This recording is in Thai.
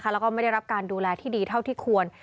แล้วก็ไม่ได้รับการดูแลที่ดีเท่าที่ควร